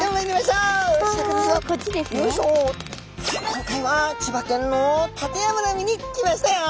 今回は千葉県の館山の海に来ましたよ。